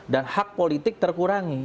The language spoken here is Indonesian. dan hak politik terkurangi